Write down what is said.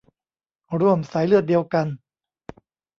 ร่วมสายเลือดเดียวกัน